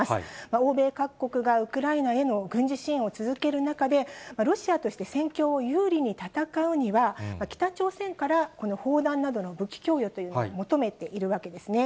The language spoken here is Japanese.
欧米各国がウクライナへの軍事支援を続ける中で、ロシアとして戦況を有利に戦うには、北朝鮮からこの砲弾などの武器供与というのを求めているわけですね。